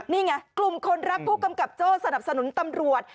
นี่ไงกลุ่มคนรักผู้กำกับโจ้สนับสนุนตำรวจ